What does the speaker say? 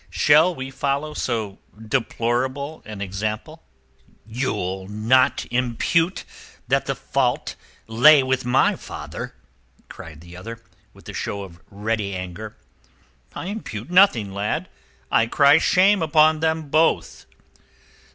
Shall we follow so deplorable an example?" "You'll not impute that the fault lay with my father," cried the other, with a show of ready anger. "I impute nothing, lad. I cry shame upon them both."